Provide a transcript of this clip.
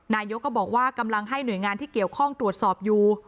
นายกก็บอกว่ากำลังให้หน่วยงานที่เกี่ยวข้องตรวจสอบอยู่